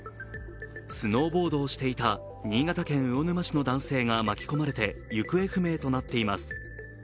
スノーボードをしていた新潟県魚沼市の男性が巻き込まれて行方不明となっています。